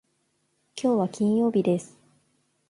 きょうは金曜日です。